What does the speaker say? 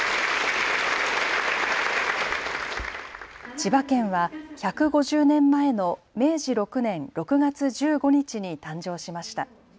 千葉県は１５０年前の明治６年６月１５日に誕生しました。